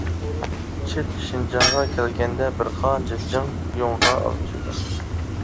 چىت شىنجاڭغا كەلگەندە بىر قانچە جىڭ يۇڭغا ئالمىشىدۇ.